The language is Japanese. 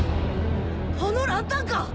あのランタンか！